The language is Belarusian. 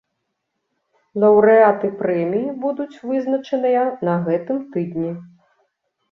Лаўрэаты прэміі будуць вызначаныя на гэтым тыдні.